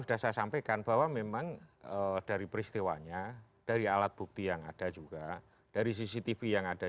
sudah saya sampaikan bahwa memang dari peristiwanya dari alat bukti yang ada juga dari cctv yang ada